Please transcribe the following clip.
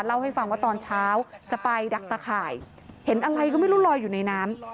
เล่าให้ฟังว่าตอนเช้าจะไปดักตะข่ายเห็นอะไรก็ไม่รู้ลอยอยู่ในน้ำ